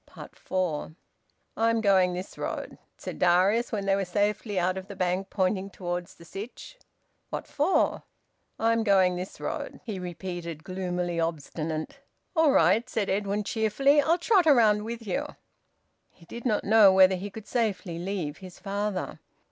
FOUR. "I'm going this road," said Darius, when they were safely out of the Bank, pointing towards the Sytch. "What for?" "I'm going this road," he repeated, gloomily obstinate. "All right," said Edwin cheerfully. "I'll trot round with you." He did not know whether he could safely leave his father.